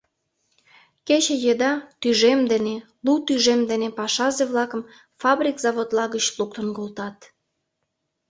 Кече еда тӱжем дене, лу тӱжем дене пашазе-влакым фабрик-заводла гыч луктын колтат.